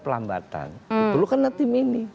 pelambatan diperlukanlah tim ini